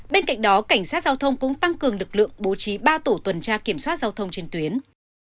bên cạnh đó cảnh sát giao thông cũng tăng cường lực lượng bố trí ba tổ tuần tra kiểm soát giao thông trên tuyến